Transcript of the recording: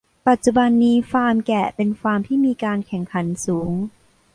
ปัจจุบันนี้ฟาร์มแกะเป็นฟาร์มที่มีการแข่งขันสูง